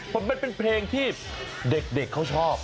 มันเป็นเพลงที่เด็กเขาชอบ